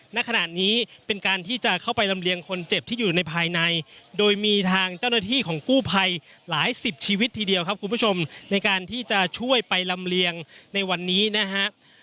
ณขณะนี้เป็นการที่จะเข้าไปลำเลียงคนเจ็บที่อยู่ในภายในโดยมีทางเจ้าหน้าที่ของกู้ภัยหลายสิบชีวิตทีเดียวครับคุณผู้ชมในการที่จะช่วยไปลำเลียงในวันนี้นะฮะ